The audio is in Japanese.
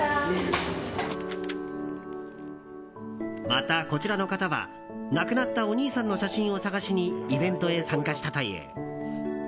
また、こちらの方は亡くなったお兄さんの写真を探しにイベントへ参加したという。